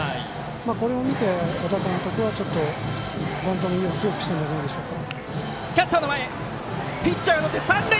これを見て小田監督はちょっとバントの意を強くしたんじゃないでしょうか。